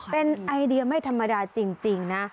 เป็นไอเดียไม่ธรรมดาจริงนะ